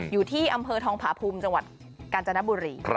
อยู่ที่อำเภอทองผาภูมิจังหวัดกาญจนบุรี